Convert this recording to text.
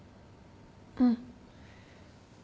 うん。